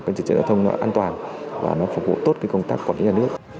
cái chỉ trợ giao thông nó an toàn và nó phục vụ tốt cái công tác quản lý nhà nước